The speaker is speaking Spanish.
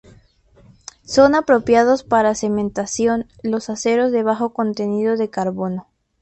Son apropiados para cementación los aceros de bajo contenido de carbono.